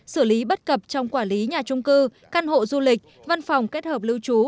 xử lý bất cập trong quản lý nhà trung cư căn hộ du lịch văn phòng kết hợp lưu trú